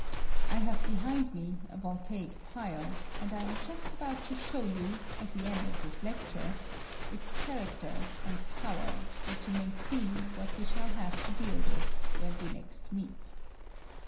I have behind me a voltaic pile, and I am just about to show you, at the end of this lecture, its character and power, that you may see what we shall have to deal with when next we meet.